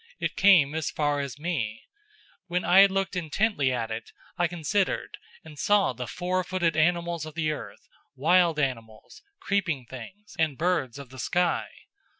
It came as far as me. 011:006 When I had looked intently at it, I considered, and saw the four footed animals of the earth, wild animals, creeping things, and birds of the sky.